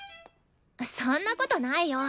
そんなことないよ！